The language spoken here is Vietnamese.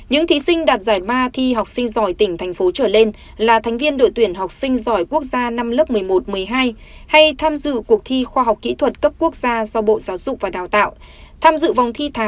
những thí sinh đạt giải ba thi học sinh giỏi tỉnh thành phố trở lên là thành viên đội tuyển học sinh giỏi quốc gia